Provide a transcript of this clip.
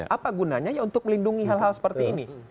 apa gunanya ya untuk melindungi hal hal seperti ini